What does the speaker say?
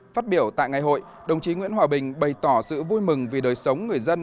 phát biểu tại ngày hội đồng chí nguyễn hòa bình bày tỏ sự vui mừng vì đời sống người dân